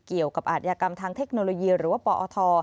อาจยากรรมทางเทคโนโลยีหรือว่าปอท